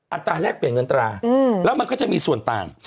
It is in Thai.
ตราแรกเปลี่ยนเงินตราแล้วมันก็จะมีส่วนต่าง